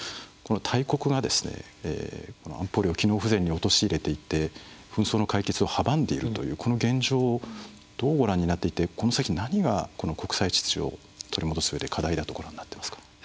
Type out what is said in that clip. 大国がですね安保理を機能不全に陥れていって紛争の解決を阻んでいるというこの現状をどうご覧になっていてこの先何が国際秩序を取り戻すうえで課題だとご覧になっていますか？